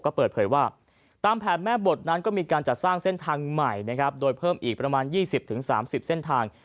ก็เปิดเผยว่าตามแผนแม่บทนั้นก็มีการจัดสร้างเส้นทางใหม่นะครับโดยเพิ่มอีกประมาณ๒๐๓๐เส้นทาง